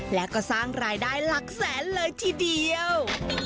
และก็สร้างรายได้หลักแสนเลยทีเดียว